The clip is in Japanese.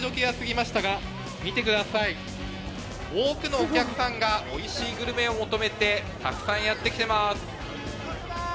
多くのお客さんがおいしいグルメを求めてたくさんやって来てます。